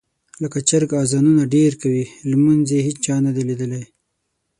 لکه چرګ اذانونه ډېر کوي، لمونځ یې هېچا نه دي لیدلی.